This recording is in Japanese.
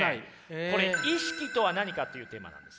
これ意識とは何かっていうテーマなんです。